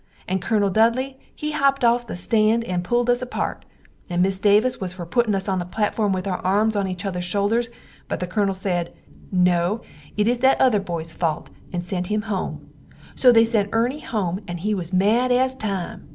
and kernel Dudley he hopt off the stand and pulld us apart, and miss Davis was fer puttin us on the platferm with our arms on each others shoulders, but the kernel sed, No, it is that other boys falt, send him home. So they sent Erny home and he was mad as time.